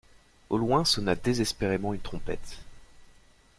Au loin sonna désespérément une trompette.